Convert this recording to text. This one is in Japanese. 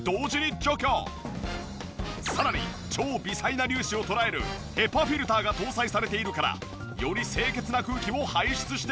さらに超微細な粒子を捕らえるＨＥＰＡフィルターが搭載されているからより清潔な空気を排出してくれる！